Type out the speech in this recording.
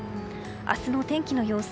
明日の天気の様子。